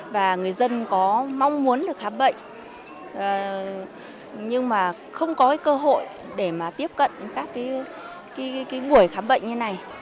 và người dân có mong muốn được khám bệnh nhưng mà không có cơ hội để mà tiếp cận các buổi khám bệnh như này